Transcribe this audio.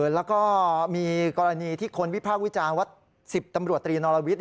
แล้วก็มีกรณีที่คนวิพากษ์วิจารณ์ว่า๑๐ตำรวจตรีนอรวิทย์